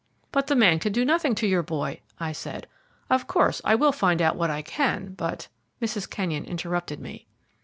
"But the man can do nothing to your boy!" I said. "Of course, I will find out what I can, but " Mrs. Kenyon interrupted me.